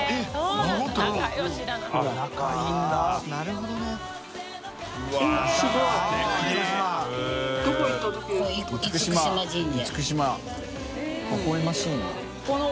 慧隋ほほ笑ましいな。